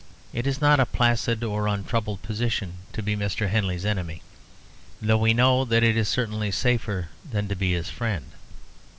It is not a placid or untroubled position to be Mr. Henley's enemy, though we know that it is certainly safer than to be his friend.